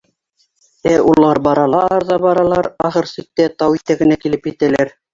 Ә улар баралар ҙа баралар, ахыр сиктә, тау итәгенә килеп етәләр.